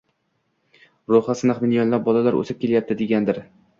ruhi siniq millionlab bolalar o‘sib kelyapti, deganidir.